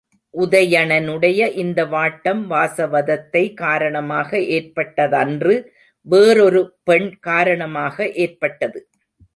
உதயணனுடைய இந்த வாட்டம் வாசவதத்தை காரணமாக ஏற்பட்டதன்று வேறோரு பெண் காரணமாக ஏற்பட்டது.